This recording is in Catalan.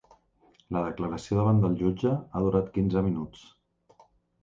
La declaració davant el jutge ha durat quinze minuts.